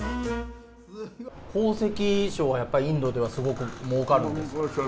宝石商はやっぱり、インドではすごくもうかるんですか？